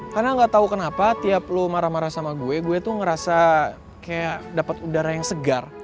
karena gak tau kenapa tiap lo marah marah sama gue gue tuh ngerasa kayak dapet udara yang segar